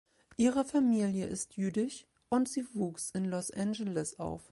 Ihre Familie ist jüdisch und sie wuchs in Los Angeles auf.